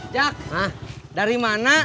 cak dari mana